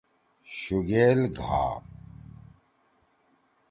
شُگیل گھا